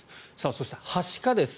そして、はしかです。